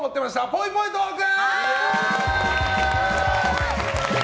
ぽいぽいトーク！